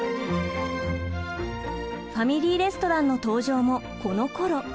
ファミリーレストランの登場もこのころ。